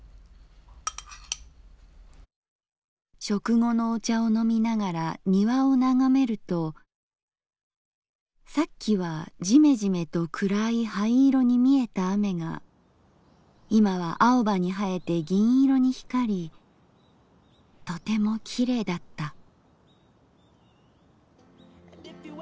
「食後のお茶をのみながら庭を眺めるとさっきはジメジメと暗い灰色に見えた雨がいまは青葉に映えて銀色に光りとてもきれいだった」。